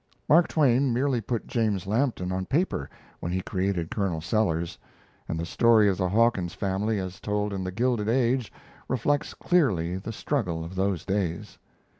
Mark Twain merely put James Lampton on paper when he created Colonel Sellers, and the story of the Hawkins family as told in The Gilded Age reflects clearly the struggle of those days.